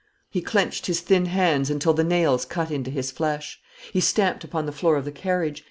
He clenched his thin hands until the nails cut into his flesh. He stamped upon the floor of the carriage.